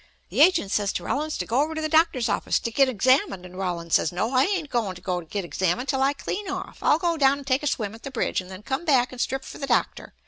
The agint says to Rollins to go over to the doctor's of'c' to git 'xamined and Rollins says, 'No, I ain't agoin' to git 'xamined till I clean off; I'll go down an' take a swim at the bridge and then come back and strip for the doctor.'